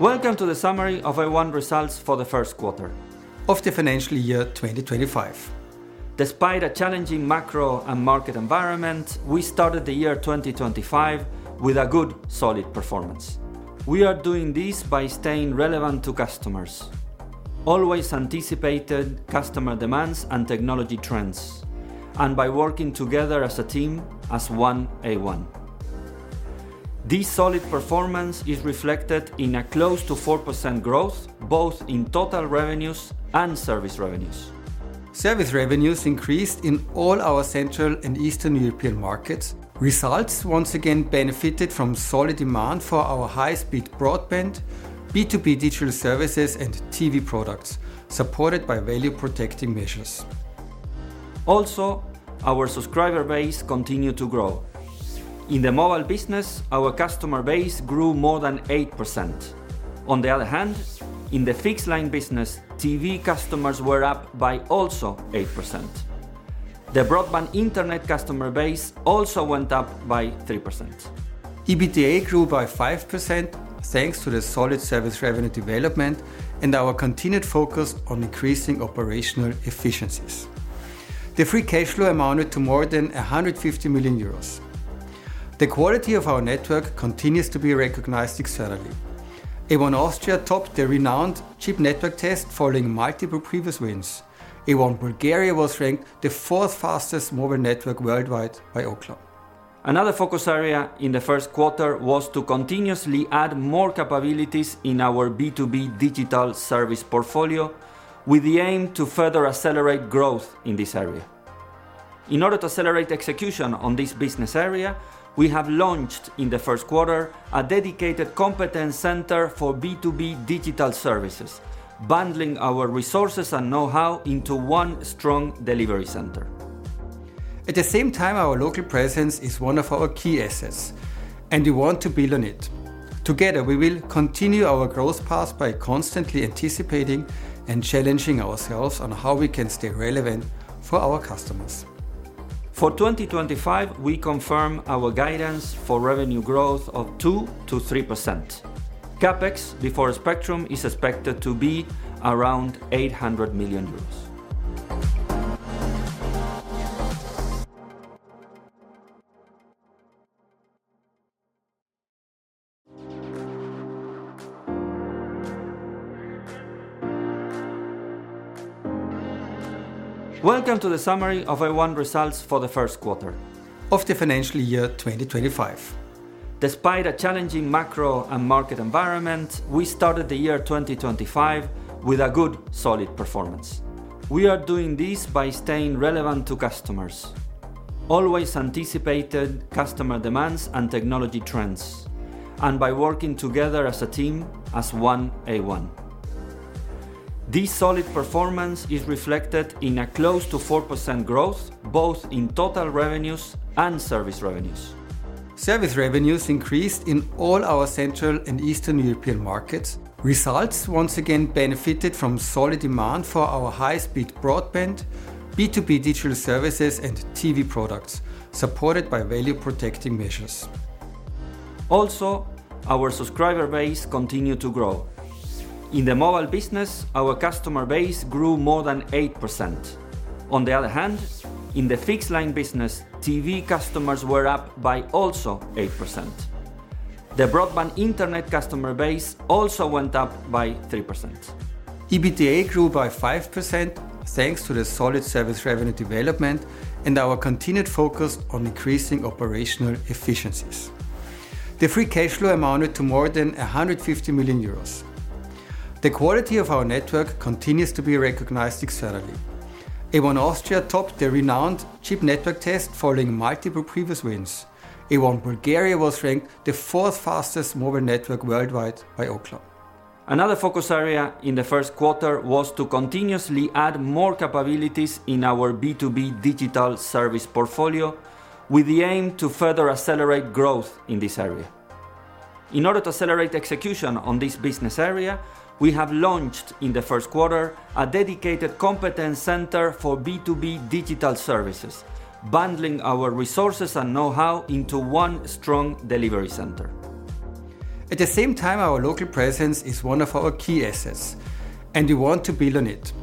Welcome to the summary of our A1 results for the first quarter of the financial year 2025. Despite a challenging macro and market environment, we started the year 2025 with a good, solid performance. We are doing this by staying relevant to customers, always anticipating customer demands and technology trends, and by working together as a team, as one A1. This solid performance is reflected in a close to 4% growth, both in total revenues and service revenues. Service revenues increased in all our Central and Eastern European markets. Results once again benefited from solid demand for our high-speed broadband, B2B digital services, and TV products, supported by value-protecting measures. Also, our subscriber base continued to grow. In the mobile business, our customer base grew more than 8%. On the other hand, in the fixed-line business, TV customers were up by also 8%. The broadband internet customer base also went up by 3%. EBITDA grew by 5% thanks to the solid service revenue development and our continued focus on increasing operational efficiencies. The free cash flow amounted to more than 150 million euros. The quality of our network continues to be recognized externally. A1 Austria topped the renowned CHIP Network Test following multiple previous wins. A1 Bulgaria was ranked the fourth fastest mobile network worldwide by Ookla. Another focus area in the first quarter was to continuously add more capabilities in our B2B digital service portfolio, with the aim to further accelerate growth in this area. In order to accelerate execution on this business area, we have launched in the first quarter a dedicated competence center for B2B digital services, bundling our resources and know-how into one strong delivery center. At the same time, our local presence is one of our key assets, and we want to build on it. Together, we will continue our growth path by constantly anticipating and challenging ourselves on how we can stay relevant for our customers. For 2025, we confirm our guidance for revenue growth of 2%-3%. CapEx before Spectrum is expected to be around 800 million euros. Welcome to the summary of our one results for the first quarter of the financial year 2025. Despite a challenging macro and market environment, we started the year 2025 with a good, solid performance. We are doing this by staying relevant to customers, always anticipating customer demands and technology trends, and by working together as a team, as one A1. This solid performance is reflected in a close to 4% growth, both in total revenues and service revenues. Service revenues increased in all our Central and Eastern European markets. Results once again benefited from solid demand for our high-speed broadband, B2B digital services, and TV products, supported by value-protecting measures. Also, our subscriber base continued to grow. In the mobile business, our customer base grew more than 8%. On the other hand, in the fixed-line business, TV customers were up by also 8%. The broadband internet customer base also went up by 3%. EBITDA grew by 5% thanks to the solid service revenue development and our continued focus on increasing operational efficiencies. The free cash flow amounted to more than 150 million euros. The quality of our network continues to be recognized externally. A1 Austria topped the renowned CHIP Network Test following multiple previous wins. A1 Bulgaria was ranked the fourth fastest mobile network worldwide by Ookla. Another focus area in the first quarter was to continuously add more capabilities in our B2B digital service portfolio, with the aim to further accelerate growth in this area. In order to accelerate execution on this business area, we have launched in the first quarter a dedicated competence center for B2B digital services, bundling our resources and know-how into one strong delivery center. At the same time, our local presence is one of our key assets, and we want to build on it.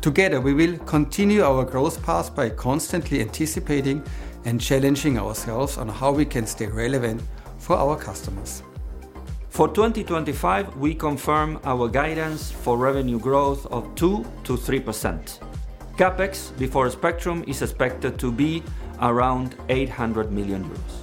Together, we will continue our growth path by constantly anticipating and challenging ourselves on how we can stay relevant for our customers. For 2025, we confirm our guidance for revenue growth of 2%-3%. CapEx before Spectrum is expected to be around 800 million euros.